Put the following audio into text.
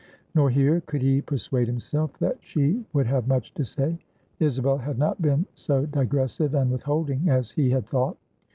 Nor here, could he persuade himself, that she would have much to say. Isabel had not been so digressive and withholding as he had thought.